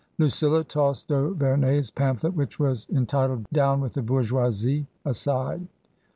Lucilla tossed d'Auverney's pamphlet — which was en titled Down with the Bourgeoisie I — ^aside.